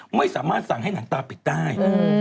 ไม่สามารถสั่งให้หนังตาปิดได้